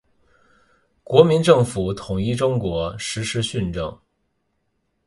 国民政府统一中国，实施训政。